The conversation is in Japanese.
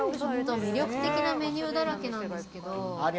魅力的なメニューだらけなんですけど。